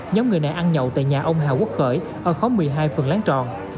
nhóm người này ăn nhậu tại nhà ông hà quốc khởi ở khóm một mươi hai phường láng tròn